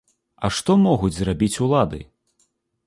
А што могуць зрабіць улады?